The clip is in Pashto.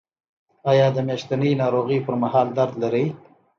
ایا د میاشتنۍ ناروغۍ پر مهال درد لرئ؟